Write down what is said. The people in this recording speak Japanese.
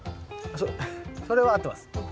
そそれは合ってます。